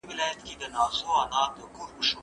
سبا شايد ډېر ناوخته وي.